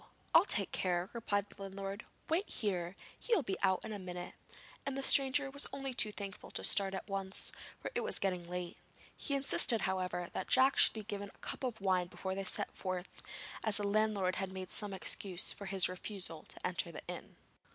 I'll take care,' replied the landlord. 'Wait here! he will be out in a minute,' and the stranger was only too thankful to start at once, for it was getting late. He insisted, however, that Jack should be given a cup of wine before they set forth, as the landlord had made some excuse for his refusal to enter the inn.